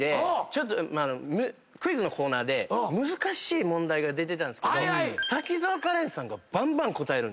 クイズのコーナーで難しい問題が出てたんですけど滝沢カレンさんがばんばん答える。